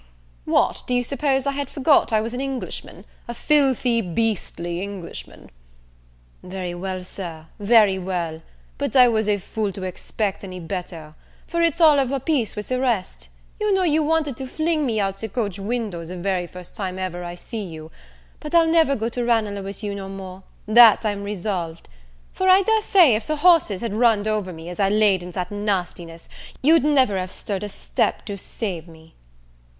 what, do you suppose I had forgot I was an Englishman, a filthy, beastly Englishman?" "Very well, Sir, very well; but I was a fool to expect any better, for it's all of a piece with the rest; you know, you wanted to fling me out of the coach window, the very first time ever I see you: but I'll never go to Ranelagh with you no more, that I'm resolved; for I dare say, if the horses had runn'd over me, as I laid in that nastiness, you'd never have stirred a step to save me."